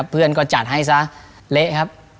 เพื่อนก็จัดให้ซะเละครับ